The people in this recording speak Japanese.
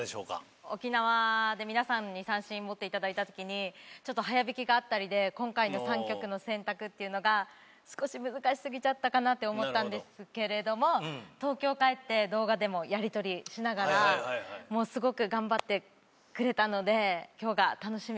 沖縄で皆さんに三線持っていただいたときにちょっと速弾きがあったりで今回の３曲の選択っていうのが少し難しすぎちゃったかなって思ったんですけれども東京帰って動画でもやり取りしながらもうスゴく頑張ってくれたので今日が楽しみです。